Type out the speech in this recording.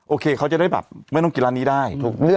เขาจะได้แบบไม่ต้องกินร้านนี้ได้